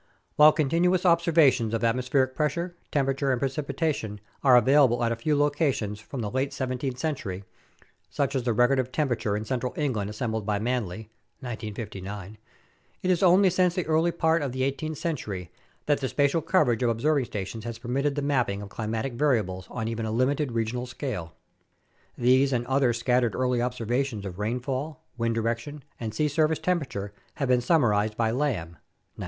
While continuous observations of atmospheric pressure, temperature, 136 UNDERSTANDING CLIMATIC CHANGE and precipitation are available at a few locations from the late seven teenth century, such as the record of temperature in Central England assembled by Manley (1959), it is only since the early part of the eighteenth century that the spatial coverage of observing stations has permitted the mapping of climatic variables on even a limited regional scale. These and other scattered early observations of rainfall, wind direction, and sea surface temperature have been summarized by Lamb (1969).